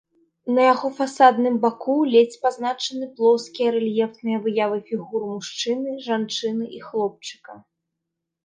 На яго фасадным баку ледзь пазначаны плоскія рэльефныя выявы фігур мужчыны, жанчыны і хлопчыка.